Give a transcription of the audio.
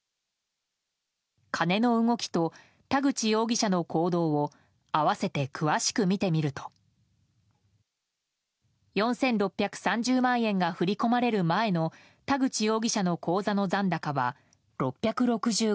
金の動きと田口容疑者の行動を合わせて詳しく見てみると４６３０万円が振り込まれる前の田口容疑者の口座の残高は６６５円。